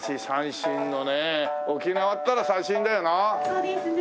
そうですね。